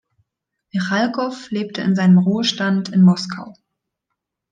Michalkow lebte in seinem Ruhestand in Moskau.